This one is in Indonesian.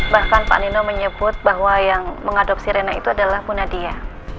bahkan pak nino menyebut bahwa yang mengadopsi rena itu adalah bu nadia